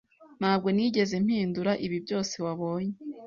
Ntabwo nigeze mpindura ibi byose wabonye